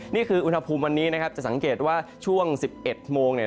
นี่คือวันภูมิวันนี้จะสังเกตว่าช่วง๑๑โมง